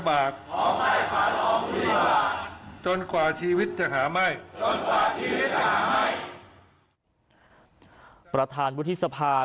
ประธานวุฒิษภารุธิสภา